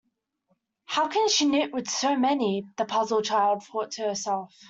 ‘How can she knit with so many?’ the puzzled child thought to herself.